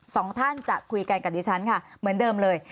สองท่านจะคุยกันกับดิฉันค่ะเหมือนเดิมเลย